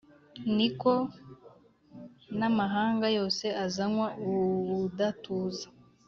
ni ko n’amahanga yose azanywa ubudatuza;